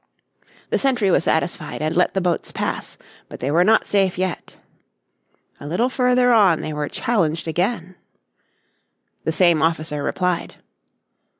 The sentry was satisfied and let the boats pass. But they were not safe yet. A little further on they were challenged again. The same officer replied.